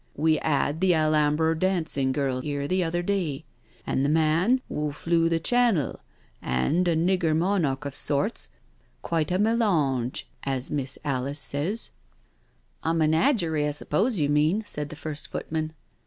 We 'ad the Alambrer dancin' girl here the other day, an' the man w'o flew the Channel, an' a nigger monarch of sorts — quite a ' melange,' as Miss Alice says," ai2 NO SURRENDER " A menagerie^ I suppose you mean/' said the first footman.